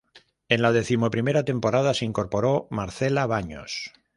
En la decimoprimera temporada, se incorporó Marcela Baños.